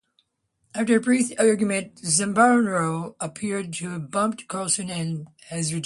After a brief argument, Zambrano appeared to bump Carlson and was ejected.